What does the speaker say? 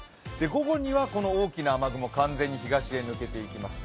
午後にはこの大きな雨雲、完全に東へ抜けていきます。